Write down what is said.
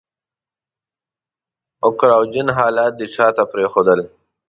او کړاو جن حالات يې شاته پرېښودل.